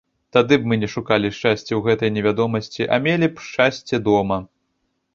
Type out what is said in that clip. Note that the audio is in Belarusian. Тады б мы не шукалі шчасця ў гэтай невядомасці, а мелі б шчасце дома.